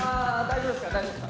大丈夫ですか？